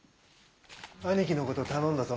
兄貴の事頼んだぞ。